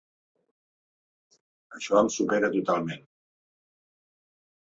Això em supera totalment.